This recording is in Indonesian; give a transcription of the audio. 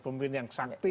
pemimpin yang sakti